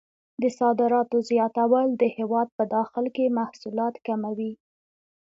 د صادراتو زیاتول د هېواد په داخل کې محصولات کموي.